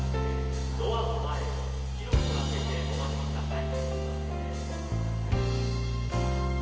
ドアの前を広くあけてお待ちください